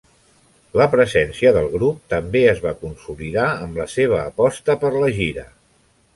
La presència del grup també es va consolidar amb la seva aposta per la gira.